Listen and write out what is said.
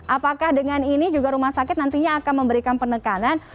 apakah dengan ini juga rumah sakit nantinya akan memberikan penekanan